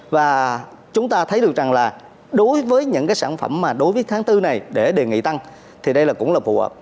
và chúng ta thấy được rằng là đối với những cái sản phẩm mà đối với tháng bốn này để đề nghị tăng thì đây là cũng là phù hợp